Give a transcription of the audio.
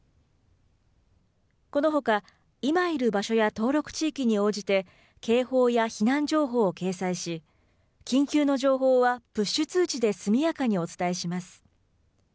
このほか、今いる場所や登録地域に応じて警報や避難情報を掲載し緊急の情報はプッシュ通知で速やかにお伝えします。